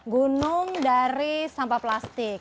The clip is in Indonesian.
gunung dari sampah plastik